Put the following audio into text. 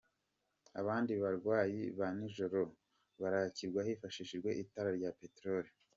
Abandi barwayi ba nijoro, bakirwa hifashishijwe itara rya Peteroli.